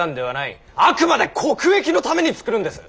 あくまで国益のために作るんです。